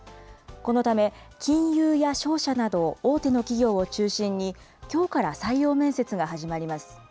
このため金融や商社など大手の企業を中心に、きょうから採用面接が始まります。